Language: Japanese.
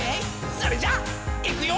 それじゃいくよ」